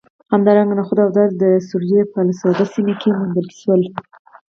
همدارنګه نخود او دال د سوریې په الاسود سیمه کې وموندل شول